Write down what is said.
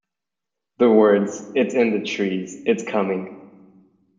The words it's in the trees, it's coming!